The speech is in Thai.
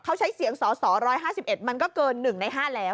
เขาใช้เสียงสส๑๕๑มันก็เกิน๑ใน๕แล้ว